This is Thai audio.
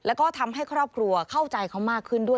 แล้วก็ทำให้ครอบครัวเข้าใจเขามากขึ้นด้วย